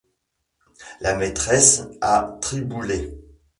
La maîtresse à Triboulet!